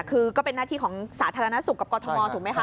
คือก็เป็นหน้าที่ของสาธารณสุขกับกรทมถูกไหมคะ